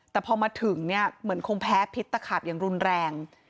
แต่พอมาถึงเนี่ยเหมือนคงแพ้พิษตะขาบอย่างรุนแรง